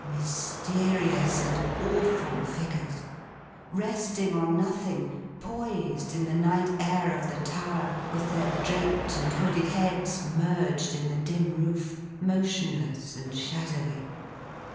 Mysterious and awful figures! Resting on nothing; poised in the night air of the tower, with their draped and hooded heads merged in the dim roof; motionless and shadowy.